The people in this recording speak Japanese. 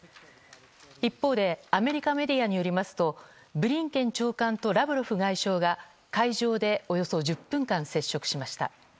一方でアメリカメディアによりますとブリンケン国務長官とラブロフ外相が会場でおよそ１０分間接触しました。